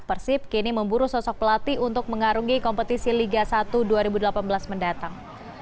persib kini memburu sosok pelatih untuk mengarungi kompetisi liga satu dua ribu delapan belas mendatang